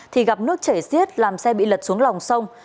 thì gặp nước chảy xiết làm xe bị lật xuống lòng sông